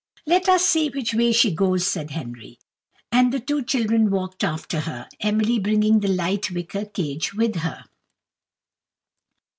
"Let us see which way she goes," said Henry. And the two children walked after her; Emily bringing the light wicker cage with her.